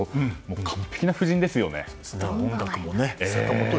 完璧な布陣ですよね。